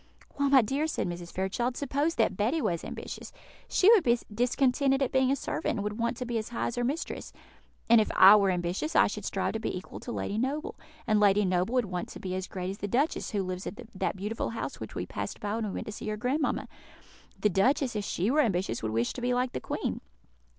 "Why, my dear," said Mrs. Fairchild, "suppose that Betty was ambitious, she would be discontented at being a servant, and would want to be as high as her mistress; and if I were ambitious, I should strive to be equal to Lady Noble; and Lady Noble would want to be as great as the duchess, who lives at that beautiful house which we passed by when we went to see your grandmamma; the duchess, if she were ambitious, would wish to be like the Queen."